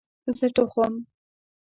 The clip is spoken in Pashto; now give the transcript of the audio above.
زه ټوخم